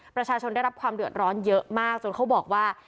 ประชาชนได้รับความเดือดร้อนเยอะมากจนเขาบอกว่า